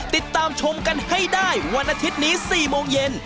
ติดตามชมกันให้ได้วันอาทิตย์นี้๔โมงเย็น